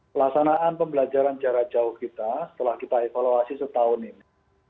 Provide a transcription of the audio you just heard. pelaksanaan pembelajaran jarak jauh kita setelah kita evaluasi setahun ini